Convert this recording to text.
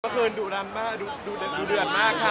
เมื่อคืนดูรันมากดูเดือดมากค่ะ